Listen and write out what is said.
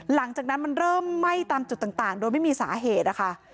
หลังจากนั้นมันเริ่มไหม้ตามจุดต่างโดยไม่มีสาเหตุนะคะ